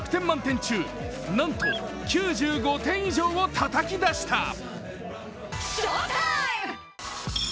満点中なんと９５点以上をたたき出した。